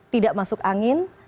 tidak masuk angin